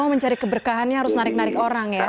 oh mencari keberkahannya harus narik narik orang ya